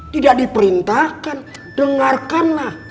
tidak diperintahkan dengarkanlah